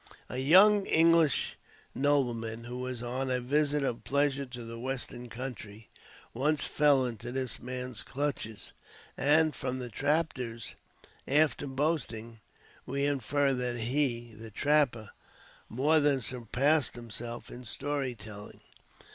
A young English nobleman who was on a visit of pleasure to the western country, once fell into this man's clutches, and, from the trapper's after boasting, we infer that he (the trapper) more than surpassed himself in story telling.